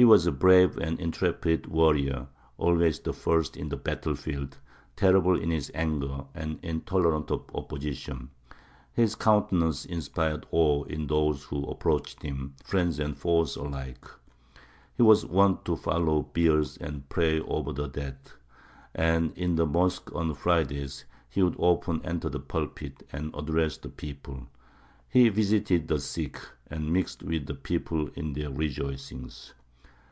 He was a brave and intrepid warrior, always the first in the battle field; terrible in his anger, and intolerant of opposition: his countenance inspired awe in those who approached him, friends and foes alike. He was wont to follow biers and pray over the dead, and in the mosque on Fridays he would often enter the pulpit and address the people. He visited the sick, and mixed with the people in their rejoicings."